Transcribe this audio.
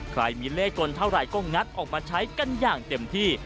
ใครมีเลขกลเท่าไหร่ก็งัดออกมาใช้กันอย่างเต็มที่